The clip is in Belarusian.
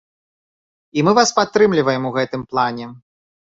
І мы вас падтрымліваем у гэтым плане.